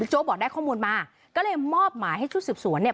โจ๊กบ่อนได้ข้อมูลมาก็เลยมอบหมายให้ชุดศูนย์สวนเนี่ย